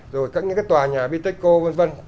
rồi các tòa nhà bitexco v v